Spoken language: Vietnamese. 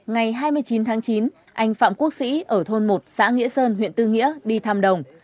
ngày hai mươi chín tháng chín anh phạm quốc sĩ ở thôn một xã nghĩa sơn huyện tư nghĩa đi thăm đồng